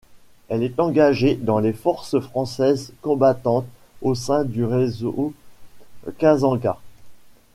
Elle est engagée dans les Forces françaises combattantes au sein du réseau Kasanga.